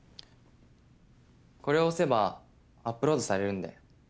これを押せばアップロードされるんで。